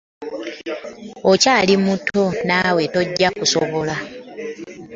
Okyali muto naawe tojja kusobola.